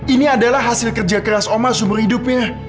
ini adalah hasil kerja keras oma seumur hidupnya